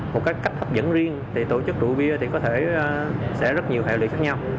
một cách hấp dẫn riêng thì tổ chức rượu bia có thể sẽ rất nhiều hệ luyện khác nhau